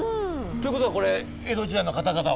ということはこれ江戸時代の方々が。